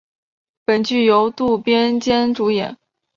本剧由渡边谦主演。